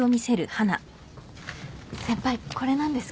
先輩これなんですけど。